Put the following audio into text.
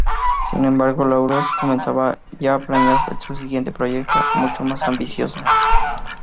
Sin embargo, Larousse comenzaba ya a planear su siguiente proyecto, mucho más ambicioso.